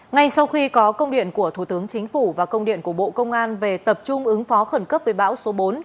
ngay sau khi có công điện của thủ tướng chính phủ và công điện của bộ công an về tập trung ứng phó khẩn cấp với bão số bốn